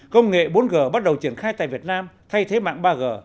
công nghệ bốn g bắt đầu triển khai tại việt nam thay thế mạng ba g